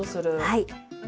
はい。